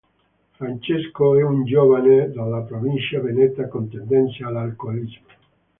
Francesco è un giovane della provincia veneta con tendenze all'alcolismo.